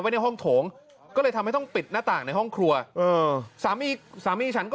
ในห้องโถงก็เลยทำให้ต้องปิดหน้าต่างในห้องครัวเออสามีสามีฉันก็